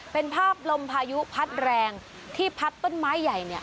เป็นภาพลมพายุพัดแรงที่พัดต้นไม้ใหญ่เนี่ย